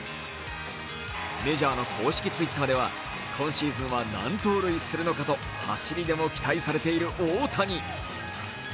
メジャーの公式Ｔｗｉｔｔｅｒでは今シーズンは何盗塁するのかと走りでも期待されている大谷。